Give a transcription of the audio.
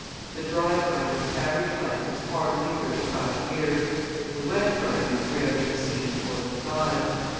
The dry grinders' average life is hardly thirty five years, the wet grinders' rarely exceeds forty five.